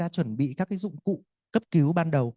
chuẩn bị các dụng cụ cấp cứu ban đầu